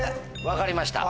分かりました。